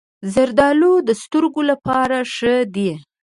زردالو د سترګو لپاره ښه دي.